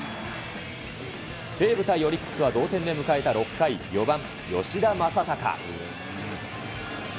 西武対オリックスは同点で迎えた６回、４番吉田正尚。